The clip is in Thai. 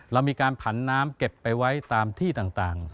เรามีการผันน้ำเก็บไปไว้ตามที่ต่าง